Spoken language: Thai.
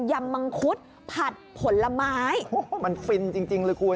ำมังคุดผัดผลไม้มันฟินจริงจริงเลยคุณ